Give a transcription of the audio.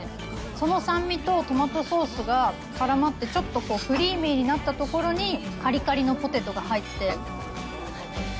その酸味とトマトソースが絡まってちょっとクリーミーになったところにカリカリのポテトが入って。